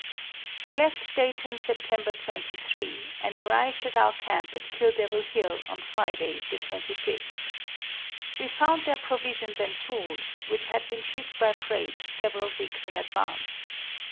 We left Dayton, September 23, and arrived at our camp at Kill Devil Hill on Friday, the 25th. We found there provisions and tools, which had been shipped by freight several weeks in advance.